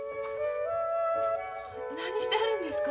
何してはるんですか？